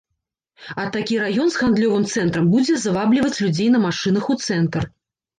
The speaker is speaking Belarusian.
А такі раён з гандлёвым цэнтрам будзе завабліваць людзей на машынах у цэнтр.